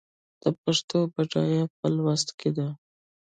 د پښتو بډاینه په لوست کې ده.